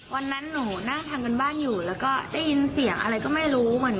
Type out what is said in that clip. วันนั้นหนูนั่งทำการบ้านอยู่แล้วก็ได้ยินเสียงอะไรก็ไม่รู้เหมือนกัน